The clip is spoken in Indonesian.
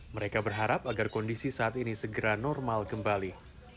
mereka berharap agar kondisi saat ini segera normal kembali